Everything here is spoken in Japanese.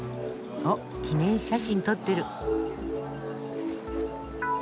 おっ記念写真撮ってる。